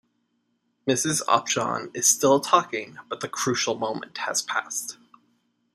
Mrs Upjohn is still talking but the crucial moment has passed.